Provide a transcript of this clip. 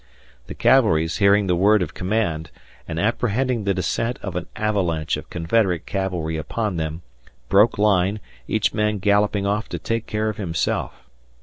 The Yankees, hearing the word of command and apprehending the descent of an avalanche of Confederate cavalry upon them, broke line, each man galloping off to take care of himself.